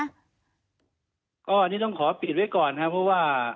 อันนี้ต้องขอปิดไว้ก่อนครับเพราะว่า